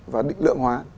và định lượng hóa